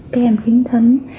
các em khiếm thính